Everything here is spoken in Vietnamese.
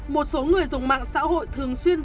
một số người dùng mạng xã hội thường xuyên